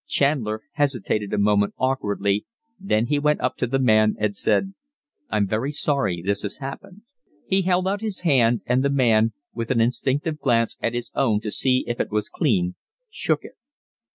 Chandler hesitated a moment awkwardly, then he went up to the man and said: "I'm very sorry this has happened." He held out his hand and the man, with an instinctive glance at his own to see if it was clean, shook it.